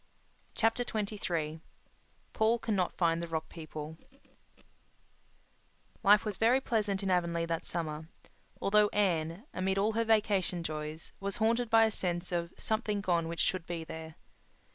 Chapter XXIII Paul Cannot Find the Rock People Life was very pleasant in Avonlea that summer, although Anne, amid all her vacation joys, was haunted by a sense of "something gone which should be there."